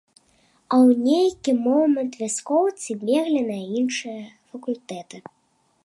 А у нейкі момант вяскоўцы беглі на іншыя факультэты.